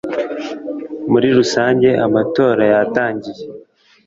muri rusange amatora yatangiye